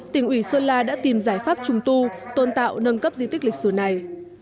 tỉnh ủy sơn la đã tìm giải pháp trùng tu tôn tạo nâng cấp di tích lịch sử này